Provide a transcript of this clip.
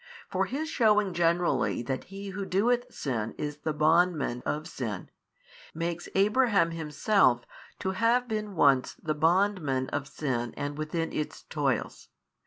For His shewing generally that he who doeth sin is the bondman of sin, makes Abraham himself to have been once the bondman of sin and within its toils.